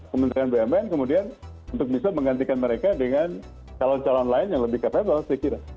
kementerian bumn kemudian untuk bisa menggantikan mereka dengan calon calon lain yang lebih capable saya kira